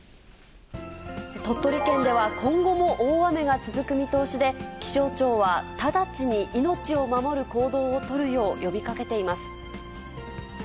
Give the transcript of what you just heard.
鳥取県では今後も大雨が続く見通しで、気象庁は直ちに命を守る行動を取るよう呼びかけています。